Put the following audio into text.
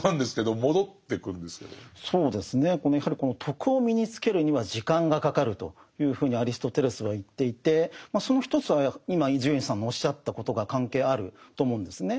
そうですねやはりこの「徳」を身につけるには時間がかかるというふうにアリストテレスは言っていてその一つは今伊集院さんのおっしゃったことが関係あると思うんですね。